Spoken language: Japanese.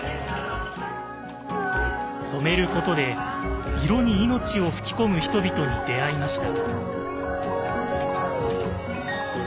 「染めること」で色に命を吹き込む人々に出会いました。